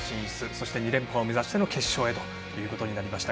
そして２連覇を目指しての決勝へということになりました。